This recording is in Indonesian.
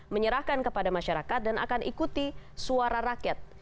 menyerahkan kepada masyarakat dan akan ikuti suara rakyat